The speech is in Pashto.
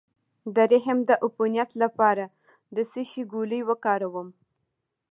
د رحم د عفونت لپاره د څه شي ګولۍ وکاروم؟